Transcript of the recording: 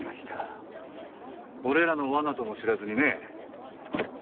俺らの罠とも知らずにね。